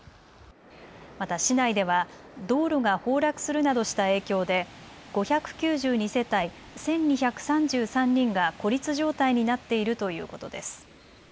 また市内では道路が崩落するなどした影響で５９２世帯１２３３人が孤立状態になっているということです。